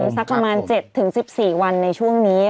สักประมาณ๗๑๔วันในช่วงนี้